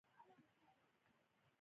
هلته د ډوډۍ بې نظیره ډولونه موجود وو.